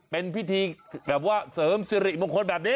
เป็นพิธีแบบว่าเสริมสิริมงคลแบบนี้